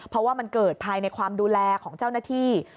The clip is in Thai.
เพราะว่ามันเกิดภายในความดูแลของเจ้าหน้าที่